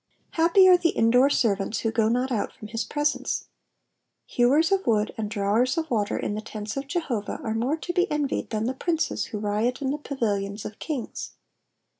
Happy are the indoor servants who go not out from his presence. Hewers of wood and drawers of water in the tents of .Jehovah are more to be envied than the princes who riot in the pavilions of kings.